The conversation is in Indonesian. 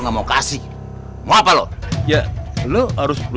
bagaimana sih bagaimana sih